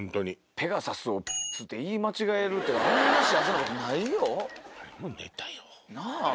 ペガサスをペスと言い間違えるあんな幸せなことないよ。